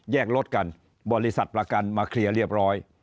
รถกันบริษัทประกันมาเคลียร์เรียบร้อย